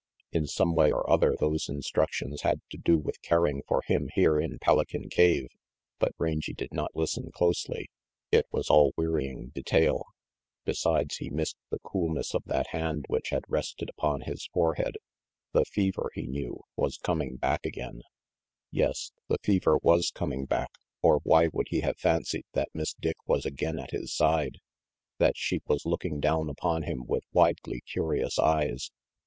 In some way or other those instructions had to do with caring for him here in Pelican cave, but Rangy did not listen closely. It was all wearying detail. Besides, he missed the coolness of that hand which had rested upon his forehead. The fever, he knew, was coming back again Yes, the fever was coming back, or why would he have fancied that Miss Dick was again at his side, that she was looking down upon him with widely curious eyes?